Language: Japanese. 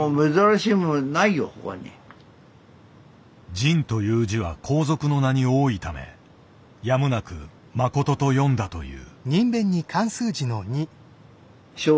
仁という字は皇族の名に多いためやむなく「マコト」と読んだという。